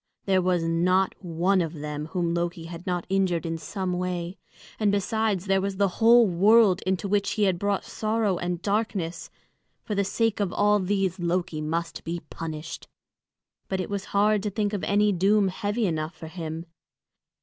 There was not one of them whom Loki had not injured in some way; and besides, there was the whole world into which he had brought sorrow and darkness; for the sake of all these Loki must be punished. But it was hard to think of any doom heavy enough for him.